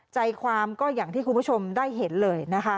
ใจความก็อย่างที่คุณผู้ชมได้เห็นเลยนะคะ